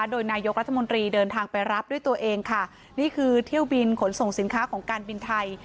โดยนายกรัฐมนตรีเดินทางไปรับด้วยตัวเองค่ะนี่คือเที่ยวบินขนส่งสินค้าของการบินไทย